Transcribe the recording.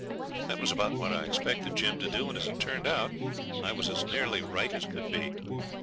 That was about what I expected Jim to do, and as it turned out I was as nearly right as could be.